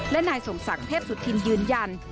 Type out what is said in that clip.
และนายส่งสังเทพสุทธินยืนยัน